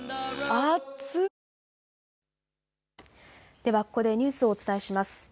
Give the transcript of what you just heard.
ではここでニュースをお伝えします。